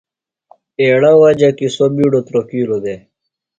ایڑہ وجہ کیۡ سوُ بِیڈوۡ تُرۡوکوۡ دےۡ۔